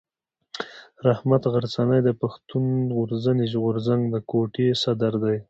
رحمت غرڅنی د پښتون ژغورني غورځنګ د کوټي صدر دی.